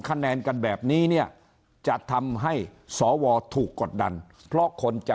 คะแนนกันแบบนี้เนี่ยจะทำให้สวถูกกดดันเพราะคนจะ